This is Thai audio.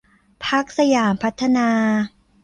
พรรคสยามพัฒนา